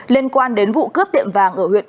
liên quan đến vụ cướp tiệm vàng ở huyện quảng ninh